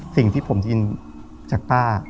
สิ่งที่ผมได้ยินจากป้า